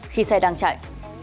khi xe đang chạy